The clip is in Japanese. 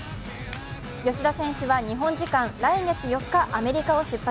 吉田選手は日本時間、来月４日アメリカを出発。